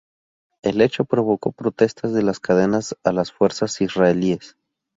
El hecho provocó protestas de las cadenas a las fuerzas israelíes.